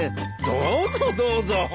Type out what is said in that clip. どうぞどうぞ。